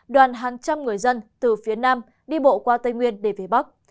đoàn hàng trăm người dân từ phía nam đi bộ qua tây nguyên để về bắc